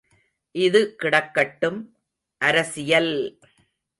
இது கிடக்கட்டும், அரசியல்!